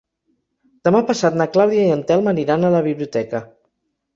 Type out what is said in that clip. Demà passat na Clàudia i en Telm aniran a la biblioteca.